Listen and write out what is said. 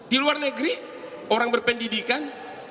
di luar negeri orang berpendidikan